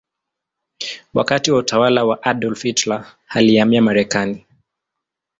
Wakati wa utawala wa Adolf Hitler alihamia Marekani.